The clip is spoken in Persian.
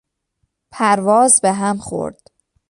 پرواز به هم خورد